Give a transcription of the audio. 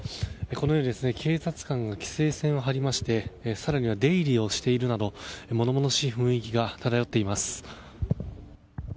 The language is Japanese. このように警察官が規制線を張りまして更に出入りをしているなど物々しい雰囲気が漂っています。